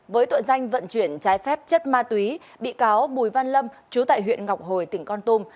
với tội danh vận chuyển trái phép chất ma túy bị cáo bùi văn lâm chú tại huyện ngọc hồi tỉnh con tum